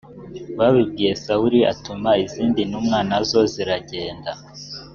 babibwiye sawuli atuma izindi ntumwa na zo ziragenda